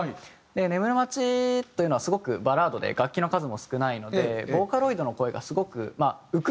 『ねむるまち』というのはすごくバラードで楽器の数も少ないのでボーカロイドの声がすごくまあ浮くというか。